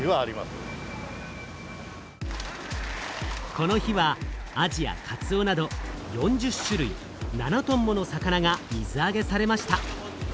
この日はアジやカツオなど４０種類７トンもの魚が水あげされました。